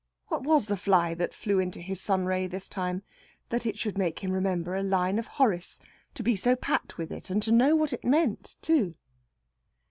What was the fly that flew into his sun ray this time, that it should make him remember a line of Horace, to be so pat with it, and to know what it meant, too?